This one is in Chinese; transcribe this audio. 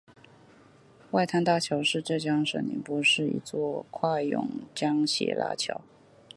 外滩大桥是浙江省宁波市一座跨甬江斜拉桥。